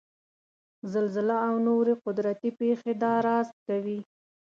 زلزله او نورې قدرتي پېښې دا رازد کوي.